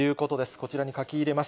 こちらに書き入れます。